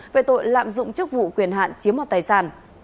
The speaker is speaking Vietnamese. về tội lạm dụng chức vụ quyền hạn chiếm mọt tài sản